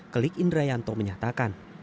klik indra yanto menyatakan